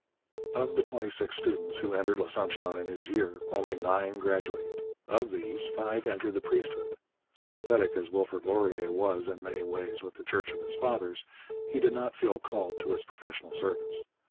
Of the twenty six students who entered L'Assomption in his year, only nine graduated. Of these, five entered the priesthood. Sympathetic as Wilfrid Laurier was in many ways with the Church of his fathers, he did not feel called to its professional service.